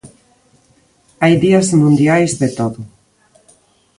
Hai días mundiais de todo.